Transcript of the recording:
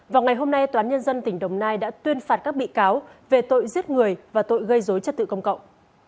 vào ngày hôm nay toán nhân dân tỉnh đồng nai đã tuyên phạt các bị cáo về tội giết người và tội gây dối trật tự công cộng